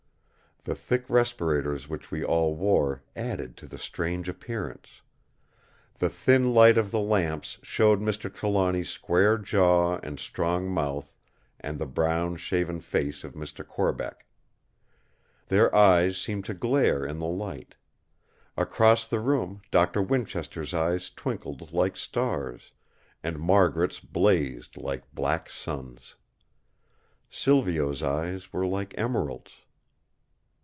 The thick respirators which we all wore added to the strange appearance. The thin light of the lamps showed Mr. Trelawny's square jaw and strong mouth and the brown shaven face of Mr. Corbeck. Their eyes seemed to glare in the light. Across the room Doctor Winchester's eyes twinkled like stars, and Margaret's blazed like black suns. Silvio's eyes were like emeralds.